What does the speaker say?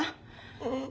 うん。